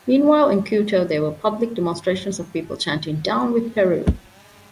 Meanwhile, in Quito, there were public demonstrations of people chanting Down With Peru!